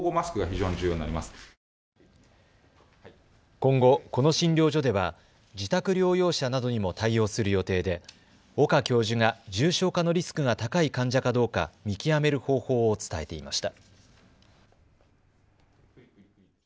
今後、この診療所では自宅療養者などにも対応する予定で岡教授が重症化のリスクが高い患者かどうか見極める方法を伝えていました。